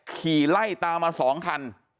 ขี่ไล่ตามมา๒คัน